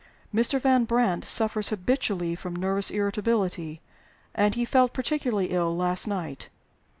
Mr. Van Brandt suffers habitually from nervous irritability, and he felt particularly ill last night.